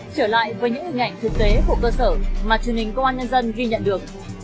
trở lại với những hình ảnh thực tế của cơ sở mà truyền hình công an nhân dân ghi nhận được